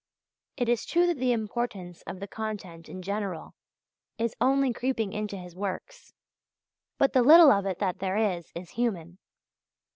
It is true that the importance of the content in general is only creeping into his works; but the little of it that there is, is human.